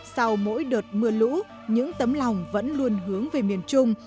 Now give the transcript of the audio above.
sau mỗi đợt mưa lũ những tấm lòng vẫn luôn hướng về miền trung